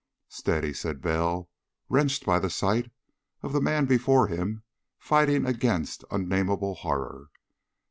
"Steady!" said Bell, wrenched by the sight of the man before him fighting against unnameable horror.